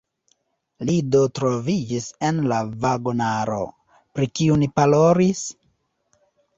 Li do troviĝis en la vagonaro, pri kiu ni parolis?